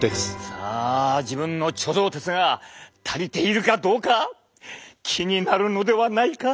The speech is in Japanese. さあ自分の貯蔵鉄が足りているかどうか気になるのではないか？